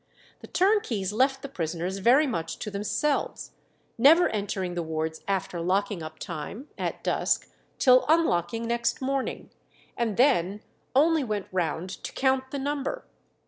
The turnkeys left the prisoners very much to themselves, never entering the wards after locking up time, at dusk, till unlocking next morning, and then only went round to count the number.